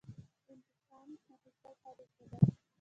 انتقام اخیستل ښه دي که بد؟